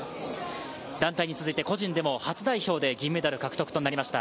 団体に続いて個人でも、初代表で銀メダル獲得となりました